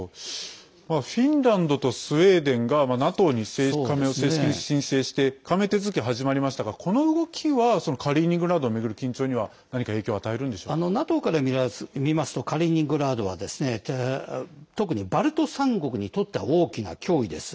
フィンランドとスウェーデンがＮＡＴＯに加盟を正式に申請して加盟手続きが始まりましたがこの動きはカリーニングラードを巡る緊張にはＮＡＴＯから見ますとカリーニングラードは特にバルト３国にとっては大きな脅威です。